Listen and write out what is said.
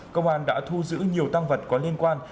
công an đã thu giữ nhiều tăng vật có liên quan